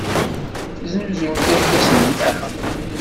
Tesnuzuyemt irkasen, naɣ?